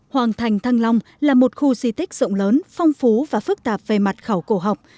hoàng thành thăng long là một khu di tích rộng lớn phong phú và phức tạp về mặt khảo cổ học